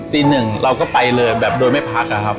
ตีหนึ่งเราก็ไปเลยแบบโดยไม่พักอะครับ